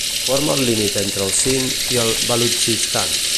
Forma el límit entre el Sind i el Balutxistan.